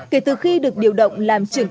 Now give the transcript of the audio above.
kể từ khi được điều động làm trưởng